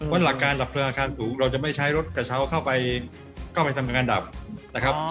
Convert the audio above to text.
เพราะหลักการดับเพลิงอาคารสูงเราจะไม่ใช้รถกระเช้าเข้าไปทำงานดับนะครับ